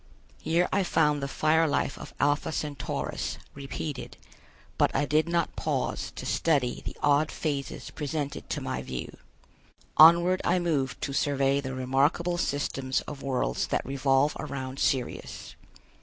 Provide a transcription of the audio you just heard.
Here I found the fire life of Alpha Centaurus repeated, but I did not pause to study the odd phases presented to my view. Onward I moved to survey the remarkable systems of worlds that revolve around Sirius.